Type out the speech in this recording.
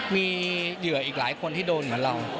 มีเหยื่ออีกหลายคนที่โดนเหมือนเรา